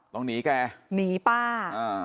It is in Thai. ต้องหนีแกหนีป้าอ่า